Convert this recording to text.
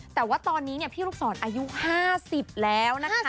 แต่ว่าตอนนี้พี่ลูกศรอายุ๕๐แล้วนะคะ